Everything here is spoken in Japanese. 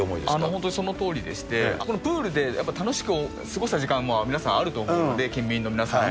本当にそのとおりでして、このプールで楽しく過ごした時間も皆さんあると思うので、近隣の皆さん。